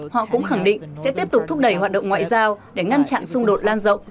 họ cũng khẳng định sẽ tiếp tục thúc đẩy hoạt động ngoại giao để ngăn chặn xung đột lan rộng